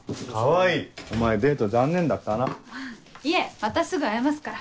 いえまたすぐ会えますから。